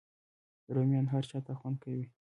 رومیان هر چاته خوند کوي